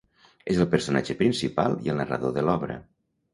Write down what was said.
És el personatge principal i el narrador de l'obra.